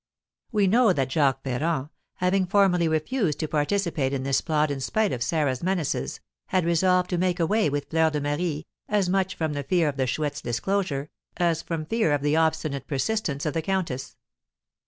We know that Jacques Ferrand having formally refused to participate in this plot in spite of Sarah's menaces had resolved to make away with Fleur de Marie, as much from the fear of the Chouette's disclosure, as from fear of the obstinate persistence of the countess.